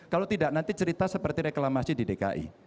kalau tidak nanti cerita seperti reklamasi di dki